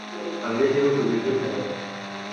abanyagihugu beza cyane,